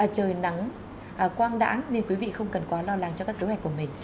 trời nắng quang đã nên quý vị không cần quá lo lắng cho các kế hoạch của mình